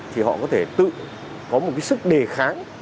thì họ có thể tự có một cái sức đề kháng